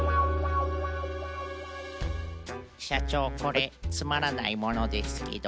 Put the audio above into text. しゃちょうこれつまらないものですけど。